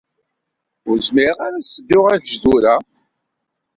Ur zmireɣ ara ad ssedduɣ agejdur-a.